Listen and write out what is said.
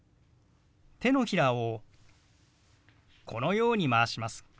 手のひらをこのように回します。